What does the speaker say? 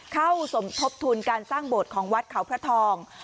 สมทบทุนการสร้างโบสถ์ของวัดเขาพระทอง